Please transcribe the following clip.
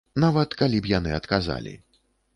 Нават калі б яны адказалі.